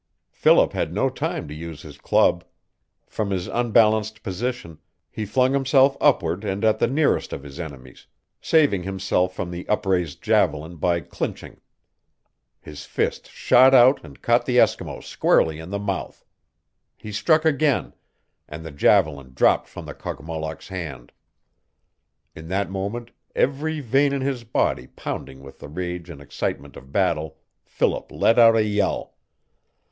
Philip had no time to use his club. From his unbalanced position he flung himself upward and at the nearest of his enemies, saving himself from the upraised javelin by clinching. His fist shot out and caught the Eskimo squarely in the mouth. He struck again and the javelin dropped from the Kogmollock's hand. In that moment, every vein in his body pounding with the rage and excitement of battle, Philip let out a yell.